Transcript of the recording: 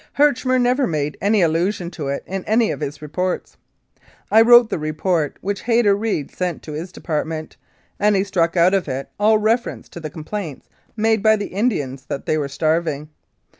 Herchmer never made any allusion to it in any of his reports. I wrote the report which Hayter Reed sent to his department, and he struck out of it all reference to the complaints made by the Indians that they were starving.